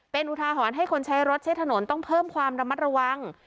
เป็นอุทาหรณ์ให้คนใช้รถใช้ถนนต้องเพิ่มความระมัดระวัง